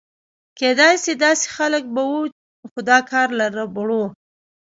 کېدای شي داسې خلک به و، خو دا کار له ربړو.